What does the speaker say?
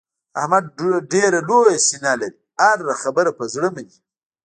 احمد ډېره لویه سینه لري. هره خبره په زړه مني.